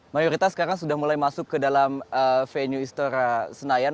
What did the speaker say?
mayoritas sekarang sudah mulai masuk ke dalam venue istora senayan